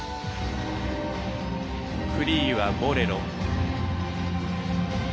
フリーは「ボレロ」。